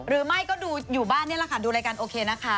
หรือไม่ก็ดูอยู่บ้านนี่แหละค่ะดูรายการโอเคนะคะ